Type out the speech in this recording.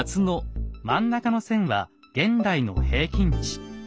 真ん中の線は現代の平均値。